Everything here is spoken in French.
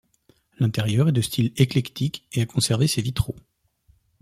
L'intérieur est de style éclectique et a conservé ses vitraux.